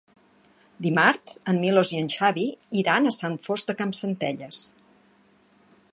Dimarts en Milos i en Xavi iran a Sant Fost de Campsentelles.